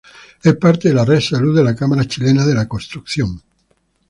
Es parte de la Red Salud de la Cámara Chilena de la Construcción.